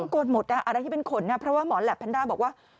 โกนหมดต้องโกนหมดอะไรที่เป็นขนเพราะว่าหมอนแหลปพันดาบอกว่า